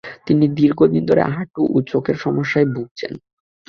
তিনি দীর্ঘদিন ধরে হাঁটু ও চোখের সমস্যায় ভুগছেন।